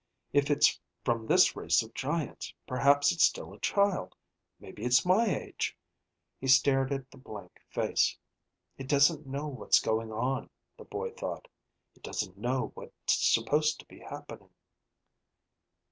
If it's from this race of giants, perhaps it's still a child. Maybe it's my age. He stared at the blank face. It doesn't know what's going on, the boy thought. It doesn't know what's supposed to be happening.